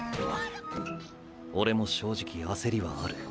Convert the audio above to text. たっ⁉オレも正直焦りはある。